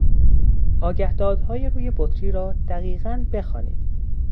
آگهدادهای روی بطری را دقیقا بخوانید.